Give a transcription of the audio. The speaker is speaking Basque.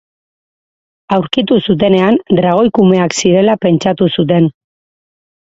Aurkitu zutenean dragoi kumeak zirela pentsatu zuten.